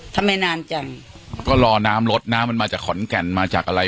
ทำไมนานจังก็รอน้ำรถน้ำมันมาจากขอนแก่นมาจากอะไร